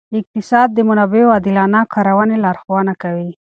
اقتصاد د منابعو عادلانه کارونې لارښوونه کوي.